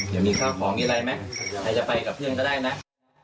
ยังมีข้าวของมีอะไรไหมใครจะไปกับเพื่อนก็ได้นะ